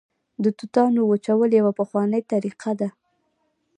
د توتانو وچول یوه پخوانۍ طریقه ده